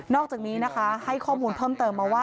อกจากนี้นะคะให้ข้อมูลเพิ่มเติมมาว่า